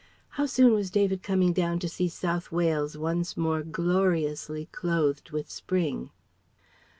How soon was David coming down to see South Wales once more gloriously clothed with spring?